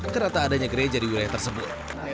karena adanya gereja di wilayah tersebut